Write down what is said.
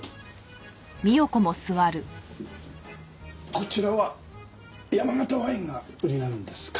こちらは山形ワインが売りなんですか？